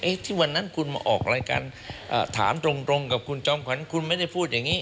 ที่วันนั้นคุณมาออกรายการถามตรงกับคุณจอมขวัญคุณไม่ได้พูดอย่างนี้